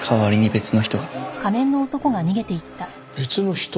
別の人？